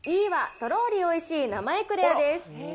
とろーりおいしい生エクレアです。